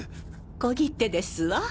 小切手ですわ。